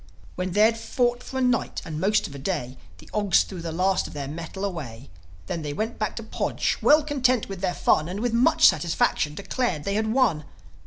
When they'd fought for a night and the most of a day, The Ogs threw the last of their metal away. Then they went back to Podge, well content with their fun, And, with much satisfaction, declared they had won.